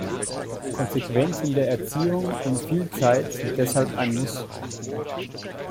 Konsequenz in der Erziehung und viel Zeit sind deshalb ein Muss.